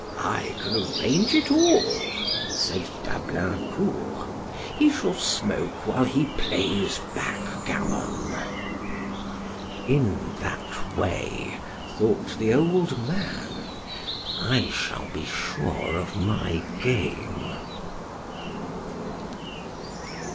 "I can arrange it all," said D'Ablaincourt; "he shall smoke while he plays backgammon." "In that way," thought the old man, "I shall be sure of my game."